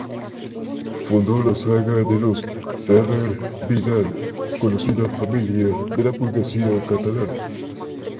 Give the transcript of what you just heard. Fundó la saga de los "Ferrer-Vidal", conocida familia de la burguesía catalana.